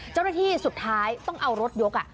เจ้าหน้าที่สุดท้ายต้องเอารถยก